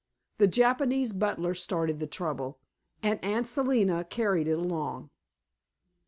The Japanese butler started the trouble, and Aunt Selina carried it along.